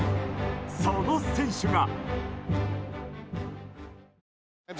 その選手が。